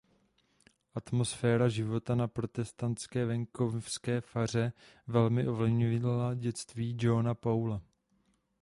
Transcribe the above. Atmosféra života na protestantské venkovské faře velmi ovlivnila dětství Jeana Paula.